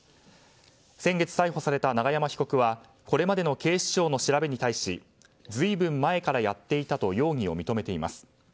先月逮捕された永山被告はこれまでの警視庁の調べに対しずいぶん前からやっていたと容疑を認めています。